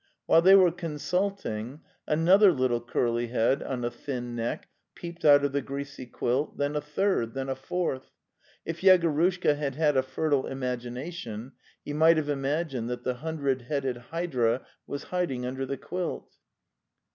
While they were consulting, another little curly head on a thin neck peeped out of the greasy quilt, then a third, then a fourth. ... If Yegorushka had had a fertile imagination he might have imagined that the hundred headed hydra was hiding under the quilt.